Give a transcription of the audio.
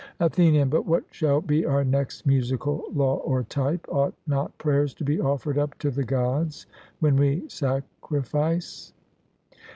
ATHENIAN: But what shall be our next musical law or type? Ought not prayers to be offered up to the Gods when we sacrifice?